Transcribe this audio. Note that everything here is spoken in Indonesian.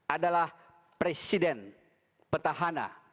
adalah presiden petahana